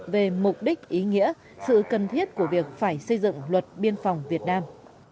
về mục đích ý nghĩa sự cần thiết của việc phải xây dựng luật biên phòng việt nam